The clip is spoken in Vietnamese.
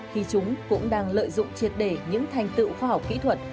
khi chúng cũng đang lợi dụng triệt để những thành tựu khoa học kỹ thuật